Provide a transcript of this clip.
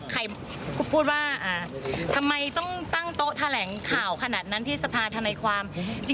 ใครพูดว่าทำไมต้องตั้งโต๊ะแถลงข่าวขนาดนั้นที่สภาธนายความ